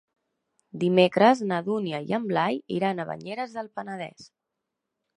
Dimecres na Dúnia i en Blai iran a Banyeres del Penedès.